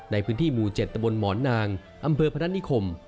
ในพื้นที่หมู่๗ตะบนหมอนนางอำเภอพนัฐนิคม